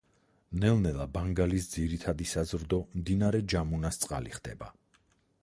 ნელ-ნელა ბანგალის ძირითადი საზრდო მდინარე ჯამუნას წყალი ხდება.